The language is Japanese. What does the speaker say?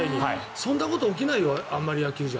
そんなこと起きないよ野球じゃ。